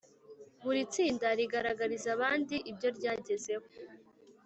Buri tsinda rigaragariza abandi ibyo ryagezeho